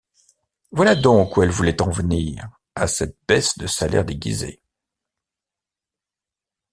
Voilà donc où elle voulait en venir, à cette baisse de salaire déguisée!